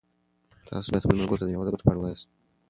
تاسو باید خپلو ملګرو ته د مېوو د ګټو په اړه ووایئ.